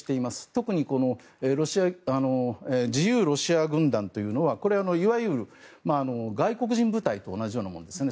特に、自由ロシア軍団というのはこれは、いわゆる外国人部隊と同じようなものですね。